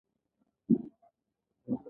ښوروا د شنو مرچو سره خوږه وي.